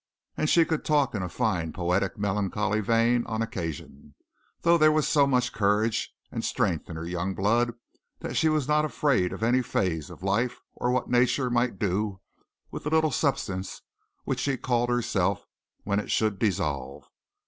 And she could talk in a fine, poetic melancholy vein on occasion, though there was so much courage and strength in her young blood that she was not afraid of any phase of life or what nature might do with the little substance which she called herself, when it should dissolve.